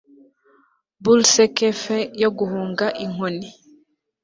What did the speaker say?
Burlesque feint yo guhunga inkoni